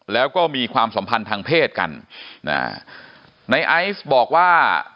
แล้วก็มีความสัมพันธ์ทางเพศกันอ่าในไอซ์บอกว่า